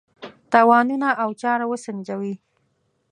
تاوانونه او چاره وسنجوي.